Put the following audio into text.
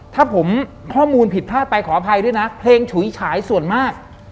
ถ้าผมข้อมูลผิดพลาดไปขออภัยด้วยนะเพลงฉุยฉายส่วนมาก